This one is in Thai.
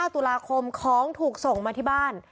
ตุลาคมของถูกส่งมาที่บ้าน